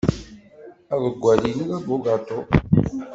Aḍewwal-inu d abugaṭu.